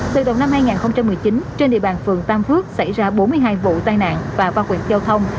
từ đầu năm hai nghìn một mươi chín trên địa bàn phường tam phước xảy ra bốn mươi hai vụ tai nạn và va quyện giao thông